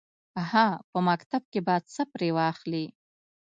_هه! په مکتب کې به څه پرې واخلې.